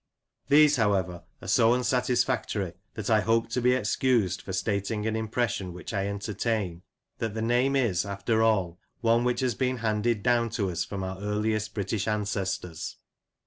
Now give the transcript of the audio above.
These, however, are so unsatisfactory, that I hope to be excused for stating an impression which I entertain, that the name is, after all, one which has been handed down to us from our earliest British ancestors.